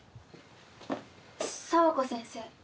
「咲和子先生」